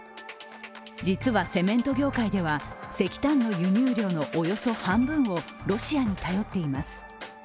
実はセメント業界では石炭の輸入量のおよそ半分をロシアに頼っています。